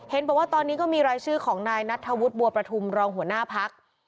บอกว่าตอนนี้ก็มีรายชื่อของนายนัทธวุฒิบัวประทุมรองหัวหน้าพัก